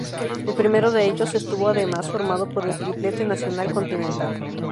El primero de ellos estuvo además formado por el triplete nacional-continental.